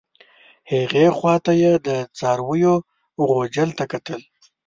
هغې خوا ته یې د څارویو غوجل ته کتل.